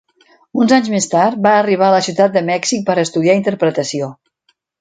Uns anys més tard, va arribar a la ciutat de Mèxic per estudiar interpretació.